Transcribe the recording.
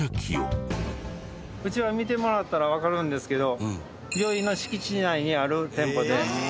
うちは見てもらったらわかるんですけど。